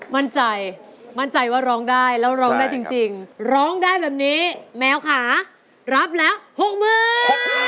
มั่นใจมั่นใจว่าร้องได้แล้วร้องได้จริงร้องได้แบบนี้แมวค่ะรับแล้วหกหมื่น